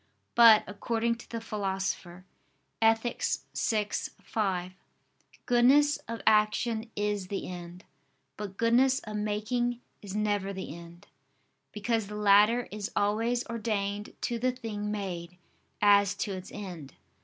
But, according to the Philosopher (Ethic. vi, 5), "goodness of action is the end, but goodness of making is never the end": because the latter is always ordained to the thing made, as to its end.